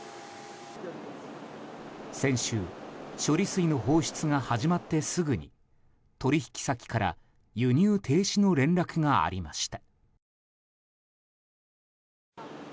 先週、処理水の放出が始まってすぐに取引先から輸入停止の連絡がありました。